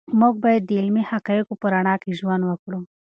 موږ باید د علمي حقایقو په رڼا کې ژوند وکړو.